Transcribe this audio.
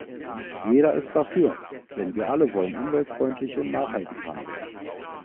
Jeder ist dafür, denn wir alle wollen umweltfreundlich und nachhaltig handeln.